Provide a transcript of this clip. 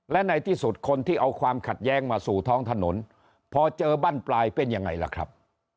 และในที่สุดคนที่เอาความขัดแย้งมาสู่ท้องถนนพอเจอบ้านปลายเป็นยังไงล่ะครับ